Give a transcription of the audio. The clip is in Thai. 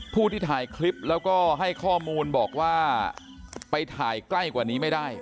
ผู้ที่ถ่ายคลิปแล้วก็ให้ข้อมูลบอกว่าไปถ่ายใกล้กว่านี้ไม่ได้